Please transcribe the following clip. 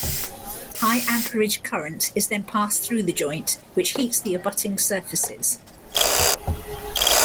High-amperage current is then passed through the joint, which heats the abutting surfaces.